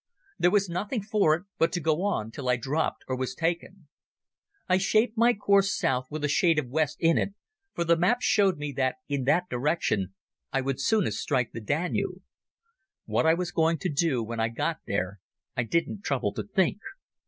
There was nothing for it but to go on till I dropped or was taken. I shaped my course south with a shade of west in it, for the map showed me that in that direction I would soonest strike the Danube. What I was going to do when I got there I didn't trouble to think.